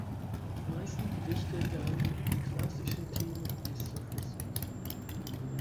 Die meisten Gedichte behandeln die klassischen Themen des Sufismus.